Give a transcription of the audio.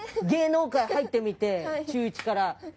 芸能界入ってみて中１から。